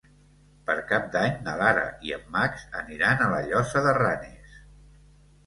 Per Cap d'Any na Lara i en Max aniran a la Llosa de Ranes.